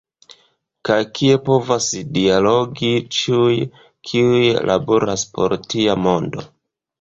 Kaj kie povas dialogi ĉiuj, kiuj laboras por tia mondo.